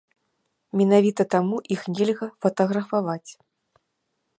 Менавіта таму іх нельга фатаграфаваць.